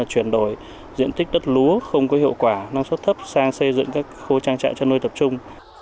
chuyển đổi diện tích đất lúa không có hiệu quả năng suất thấp sang xây dựng các khu trang trại chăn nuôi tập trung